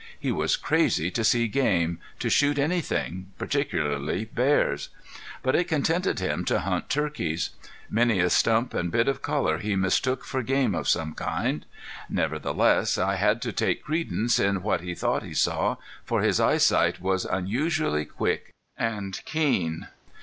He was crazy to see game, to shoot anything, particularly bears. But it contented him to hunt turkeys. Many a stump and bit of color he mistook for game of some kind. Nevertheless, I had to take credence in what he thought he saw, for his eyesight was unusually quick and keen.